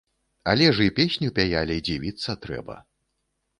Але ж і песню пяялі, дзівіцца трэба.